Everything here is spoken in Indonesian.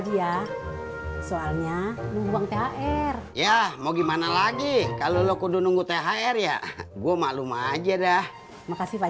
dia soalnya luang thr ya mau gimana lagi kalau lo kudu nunggu thr ya gua maklum aja dah makasih